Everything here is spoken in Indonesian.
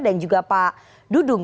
dan juga pak dudung